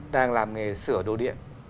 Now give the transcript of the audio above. đang làm nghề sửa đồ điện